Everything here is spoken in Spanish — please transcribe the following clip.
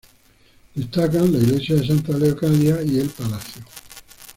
Destacan la iglesia de Santa Leocadia y el Palacio.